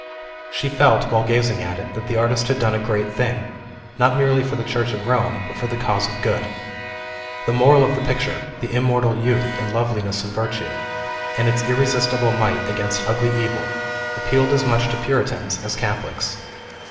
She felt, while gazing at it, that the artist had done a great thing, not merely for the Church of Rome, but for the cause of Good. The moral of the picture, the immortal youth and loveliness of virtue, and its irresistibles might against ugly Evil, appealed as much to Puritans as Catholics.